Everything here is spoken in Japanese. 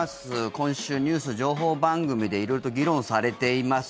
今週、ニュース、情報番組で色々と議論されています